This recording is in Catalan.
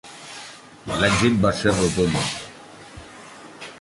L'èxit va ser rotund.